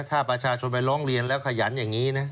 ถ้าประชาชนไปร้องเรียนแล้วขยันอย่างนี้นะ